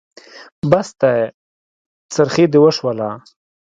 بس دی؛ څرخی دې وشوله.